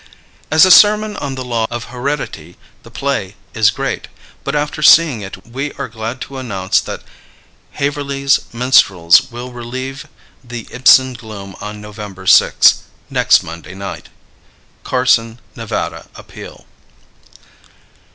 As a sermon on the law of heredity the play is great, but after seeing it we are glad to announce that Haverly's Minstrels will relieve the Ibsen gloom on November 6 next Monday night. _Carson (Nevada) Appeal.